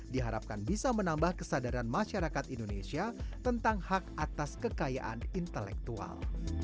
diharapkan bisa menambah kesadaran masyarakat indonesia tentang hak atas kekayaan intelektual